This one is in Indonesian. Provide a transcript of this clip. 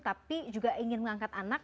tapi juga ingin mengangkat anak